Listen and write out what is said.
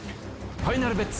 ファイナルベッツ？